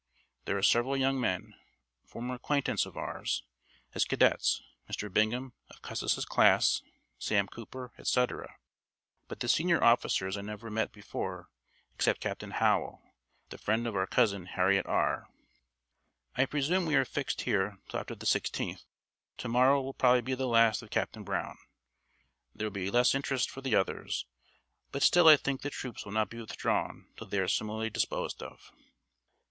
There are several young men, former acquaintance of ours, as cadets, Mr. Bingham of Custis's class, Sam Cooper, etc., but the senior officers I never met before, except Captain Howe, the friend of our Cousin Harriet R . "I presume we are fixed here till after the 16th. To morrow will probably be the last of Captain Brown. There will be less interest for the others, but still I think the troops will not be withdrawn till they are similarly disposed of.